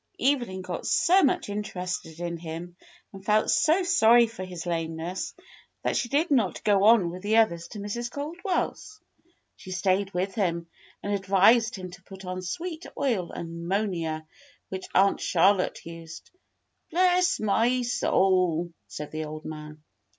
Evelyn got so much interested in him, and felt so sorry for his lameness, that she did not go on with the others to Mrs. Cald well's. She stayed with him and advised him to put on sweet oil and 'monia, which Aunt Charlotte used. "Bless my soul," said the old man.